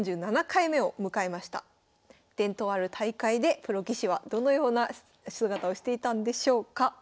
伝統ある大会でプロ棋士はどのような姿をしていたんでしょうか。